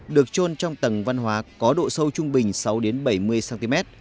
được trôn trong tầng văn hóa có độ sâu trung bình sáu bảy mươi cm